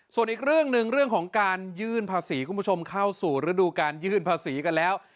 ส่วนอีกเรื่องหนึ่งเรื่องของการยื่นภาษีคุณผู้ชมเข้าสู่ฤดูการยื่นภาษีกันแล้ว